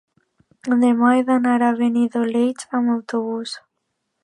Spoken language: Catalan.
Demà he d'anar a Benidoleig amb autobús.